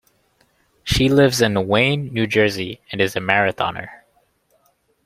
She lives in Wayne, New Jersey, and is a marathoner.